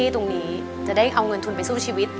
ขอบคุณครับ